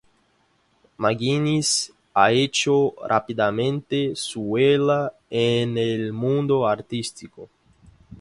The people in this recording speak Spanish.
McGinnis ha hecho rápidamente su huella en el mundo artístico.